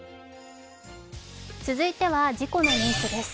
続いては事故のニュースです。